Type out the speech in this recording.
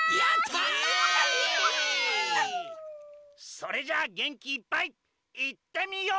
それじゃあげんきいっぱいいってみよう！